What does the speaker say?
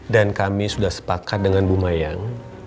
dan kami sudah sepakat dengan bu mayang